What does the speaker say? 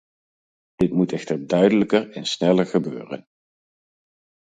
Dit moet echter duidelijker en sneller gebeuren.